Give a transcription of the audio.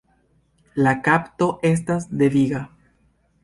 La kapto estas deviga.